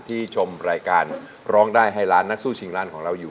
ชมรายการร้องได้ให้ล้านนักสู้ชิงร้านของเราอยู่